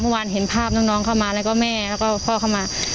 เห็นภาพน้องเข้ามาแล้วก็แม่แล้วก็พ่อเข้ามา